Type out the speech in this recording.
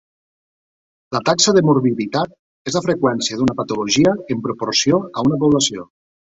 La taxa de morbiditat és la freqüència d'una patologia en proporció a una població.